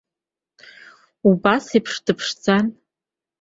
Убас еиԥш дыԥшӡан.